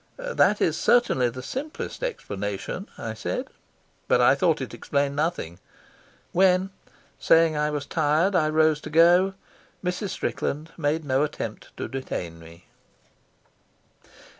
"That is certainly the simplest explanation," I said. But I thought it explained nothing. When, saying I was tired, I rose to go, Mrs. Strickland made no attempt to detain me.